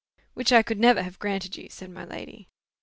"Which I could never have granted you," said my lady.